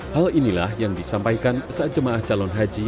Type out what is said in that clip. hal inilah yang disampaikan saat jemaah calon haji